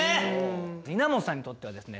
稲本さんにとってはですね